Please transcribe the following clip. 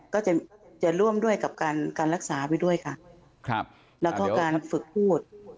ก็จะจะร่วมด้วยกับการการรักษาไปด้วยค่ะครับแล้วก็การฝึกพูด